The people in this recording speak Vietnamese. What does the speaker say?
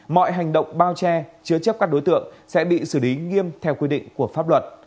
mọi hành động bao che chứa chấp các đối tượng sẽ bị xử lý nghiêm theo quy định của pháp luật